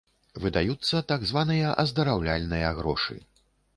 Выдаюцца так званыя аздараўляльныя грошы.